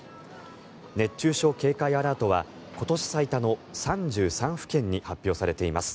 熱中症警戒アラートは今年最多の３３府県に発表されています。